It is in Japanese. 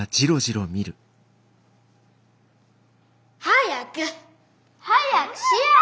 早く！早くしやぁ！